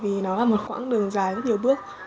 tại vì nó là một khoảng đường dài rất nhiều bước